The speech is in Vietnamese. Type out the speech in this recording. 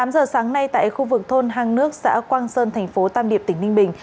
tám giờ sáng nay tại khu vực thôn hàng nước xã quang sơn tp tam điệp tỉnh ninh bình